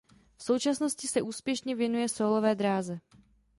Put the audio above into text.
V současnosti se úspěšně věnuje sólové dráze.